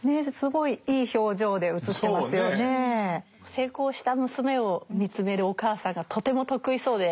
成功した娘を見つめるお母さんがとても得意そうでいいですよね。